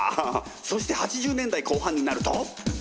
そして８０年代後半になると。